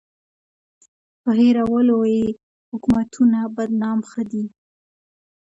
په هېرولو یې حکومتونه بدنام ښه دي.